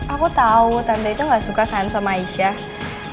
aku tau tante itu gak suka kan sama aisyah